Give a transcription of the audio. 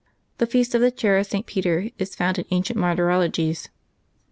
The feast of the Chair of St. Peter is found in ancient mart}^ ologies.